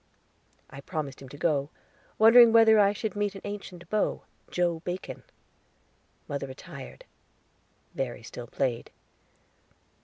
I promised him to go, wondering whether I should meet an ancient beau, Joe Bacon. Mother retired; Verry still played.